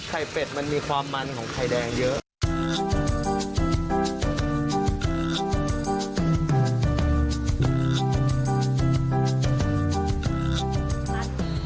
เป็ดมันมีความมันของไข่แดงเยอะ